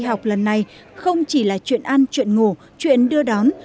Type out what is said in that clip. học lần này không chỉ là chuyện ăn chuyện ngủ chuyện đưa đón